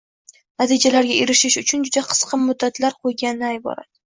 natijalarga erishish uchun juda qisqa muddatlar qo‘yganidan iborat.